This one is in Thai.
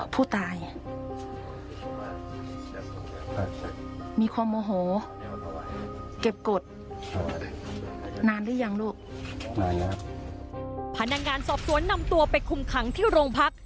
พนักงานสอบสวนนำตัวไปคุมขังที่โรงพัก